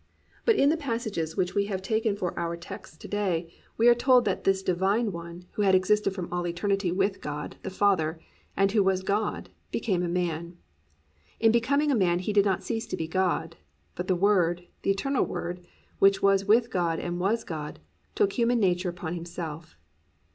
But in the passages which we have taken for our texts to day, we are told that this Divine One, who had existed from all eternity with God, the Father, and who was God, became a man. In becoming a man, He did not cease to be God; but the Word, the Eternal Word, which was with God and was God, took human nature upon Himself.